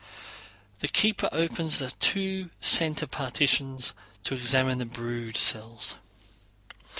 The keeper opens the two center partitions to examine the brood cells.